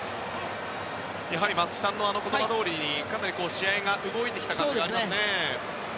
松木さんの言葉どおりかなり試合が動いてきた感じがありますね。